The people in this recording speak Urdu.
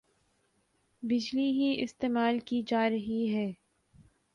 بجلی ہی استعمال کی جارہی ھے